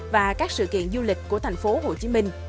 và các sự kiện du lịch của tp hcm